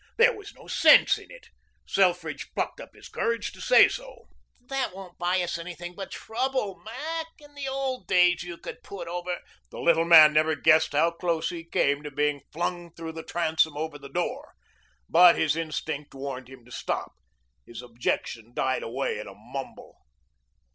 There was no sense in it. Selfridge plucked up his courage to say so. "That won't buy us anything but trouble, Mac. In the old days you could put over " The little man never guessed how close he came to being flung through the transom over the door, but his instinct warned him to stop. His objection died away in a mumble.